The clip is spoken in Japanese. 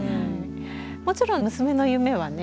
もちろん娘の夢はね